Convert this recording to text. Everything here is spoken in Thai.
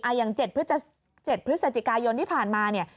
อย่าง๗พฤศจิกายนที่ผ่านมาเนี่ย